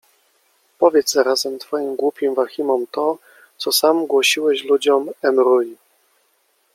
Powiedz zarazem twoim głupim Wahimom to, co sam głosiłeś ludziom M’Ruy.